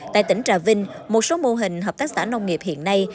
tại tỉnh trà vinh một số mô hình hợp tác xã nông nghiệp hiện nay